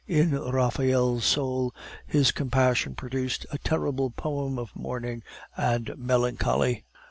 In Raphael's soul this compassion produced a terrible poem of mourning and melancholy.